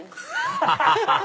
ハハハハ！